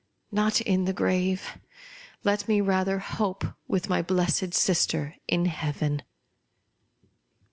Not in the grave ; let me rather hope with my blessed sister in Heaven